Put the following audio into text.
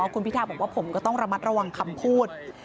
คุณพิทาบอกว่าผมก็ต้องระมัดระวังคำพูด